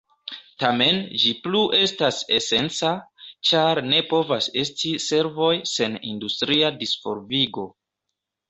Tamen ĝi plu estas esenca, ĉar ne povas esti servoj sen industria disvolvigo.